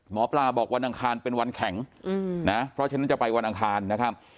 หมอปลาบอกวันอังคารเป็นวันแข็งนะเพราะฉะนั้นจะไปวันอังคารนะครับ